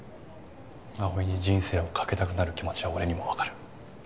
葵に人生を懸けたくなる気持ちは俺にもわかる。